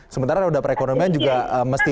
sementara roda perekonomian juga mesti